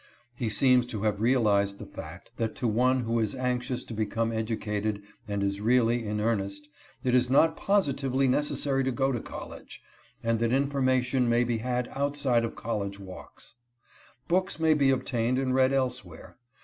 He seems to have realized the fact, that to one who is anxious to become educated and is really in earnest, it is not positively necessary to go to college, and that information may be had outside of college walks ; books may be obtained and read elsewhere.